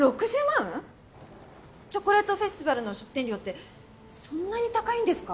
チョコレートフェスティバルの出店料ってそんなに高いんですか？